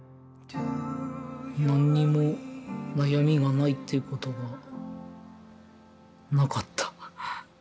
何にも悩みがないっていうことがなかった。